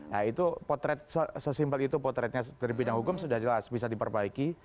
nah itu potret sesimpel itu potretnya dari bidang hukum sudah jelas bisa diperbaiki